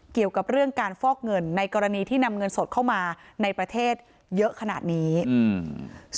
เกี่ยวกับเรื่องการฟอกเงินในกรณีที่นำเงินสดเข้ามาในประเทศเยอะขนาดนี้อืม